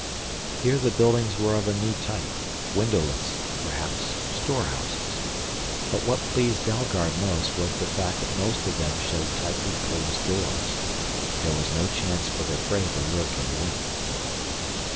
Here the buildings were of a new type, windowless, perhaps storehouses. But what pleased Dalgard most was the fact that most of them showed tightly closed doors. There was no chance for their prey to lurk in wait.